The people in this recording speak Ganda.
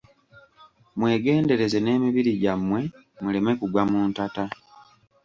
Mwegendereze nemibiri gy'amwe muleme kugwa mu ntata.